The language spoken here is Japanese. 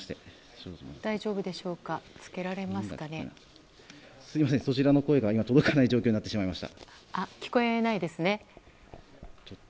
すみません、そちらの声が今、届かない状態になってしまいました。